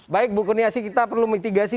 baik bukurnia sih kita perlu mitigasi